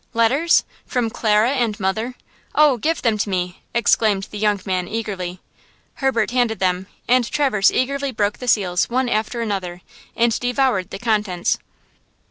"Letters! from Clara! and mother! Oh, give them to me!" exclaimed the young man eagerly. Herbert handed them, and Traverse eagerly broke the seals, one after another, and devoured the contents.